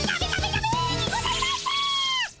ダメにございます！